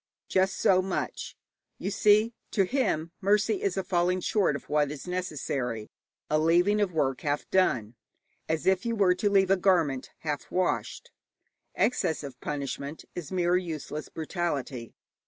Just so much. You see, to him mercy is a falling short of what is necessary, a leaving of work half done, as if you were to leave a garment half washed. Excess of punishment is mere useless brutality.